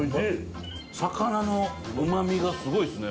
魚のうまみがすごいですね。